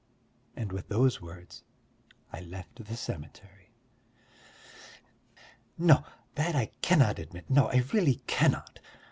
And with those words, I left the cemetery. No, that I cannot admit; no, I really cannot!